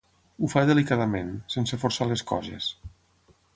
Ho fa delicadament, sense forçar les coses.